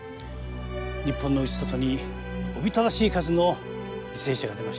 日本の内外におびただしい数の犠牲者が出ました。